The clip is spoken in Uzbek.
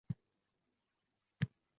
Hech kim amal qilmaydigan holat.